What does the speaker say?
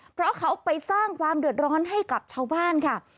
เพราะเขาไปสร้างความเดือดร้อนให้กับชาวบ้านค่ะ